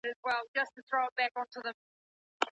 شرعیاتو پوهنځۍ په غلطه توګه نه تشریح کیږي.